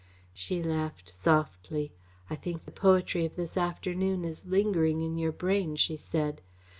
She laughed softly. "I think the poetry of this afternoon is lingering in your brain," she said.